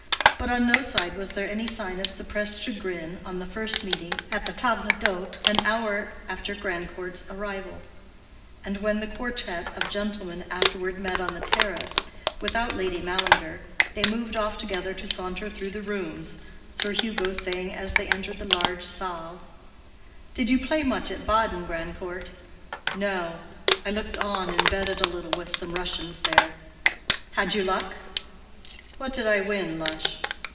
But on no side was there any sign of suppressed chagrin on the first meeting at the table d'hôte, an hour after Grandcourt's arrival; and when the quartette of gentlemen afterward met on the terrace, without Lady Mallinger, they moved off together to saunter through the rooms, Sir Hugo saying as they entered the large saal, "Did you play much at Baden, Grandcourt?" "No; I looked on and betted a little with some Russians there." "Had you luck?" "What did I win, Lush?"